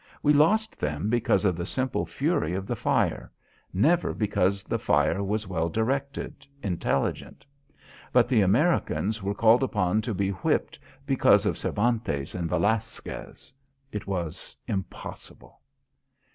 We lost them because of the simple fury of the fire; never because the fire was well directed, intelligent. But the Americans were called upon to be whipped because of Cervantes and Velasquez. It was impossible.